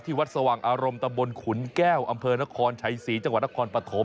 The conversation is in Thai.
วัดสว่างอารมณ์ตำบลขุนแก้วอำเภอนครชัยศรีจังหวัดนครปฐม